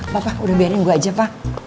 bapak udah biarin gue aja pak